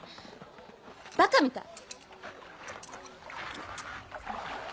バカみたい！